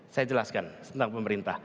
saya jelaskan tentang pemerintah